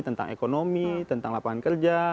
tentang ekonomi tentang lapangan kerja